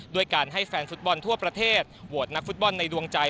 ด้วยการให้แฟนฟุตบอลทั่วประเทศโหวตนักฟุตบอลในดวงใจ